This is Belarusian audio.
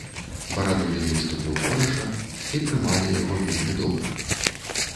Барадулін выступіў хораша, і прымалі яго вельмі добра.